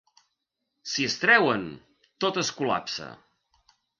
Si es treuen, tot es col·lapsa.